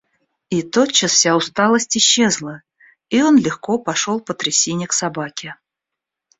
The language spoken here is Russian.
И тотчас вся усталость исчезла, и он легко пошел по трясине к собаке.